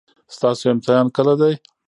ستاسو امتحان کله دی؟